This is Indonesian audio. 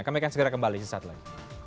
kami akan segera kembali sesaat lagi